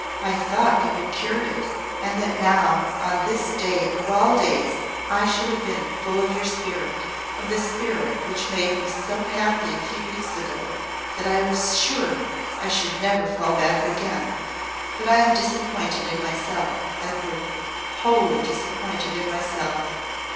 I thought you had cured it; and that now, on this day, of all days, I should have been full of your spirit of the spirit which made me so happy a few weeks ago, that I was sure I should never fall back again. But I am disappointed in myself, Edward wholly disappointed in myself.